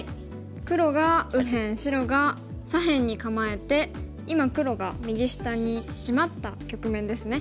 黒が右辺白が左辺に構えて今黒が右下にシマった局面ですね。